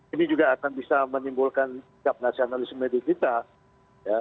ini juga akan bisa menimbulkan cap nasionalisme digital